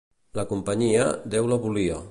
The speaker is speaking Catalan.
La companyia, Déu la volia.